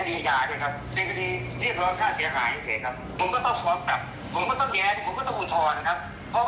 ผมก็ต้องฟ้องกลับผมก็ต้องแย้นผมก็ต้องอุทธรณ์ครับ